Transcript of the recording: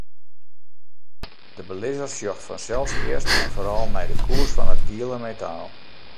De belizzer sjocht fansels earst en foaral nei de koers fan it giele metaal.